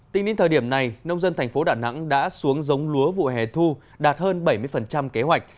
tính đến thời điểm này nông dân thành phố đà nẵng đã xuống giống lúa vụ hè thu đạt hơn bảy mươi kế hoạch